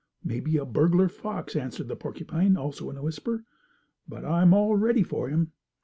Maybe a burglar fox," answered the porcupine also, in a whisper. "But I'm all ready for him."